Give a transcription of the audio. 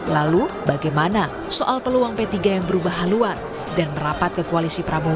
lalu bagaimana soal peluang p tiga yang berubah haluan dan merapat ke koalisi prabowo